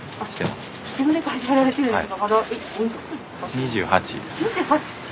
２８！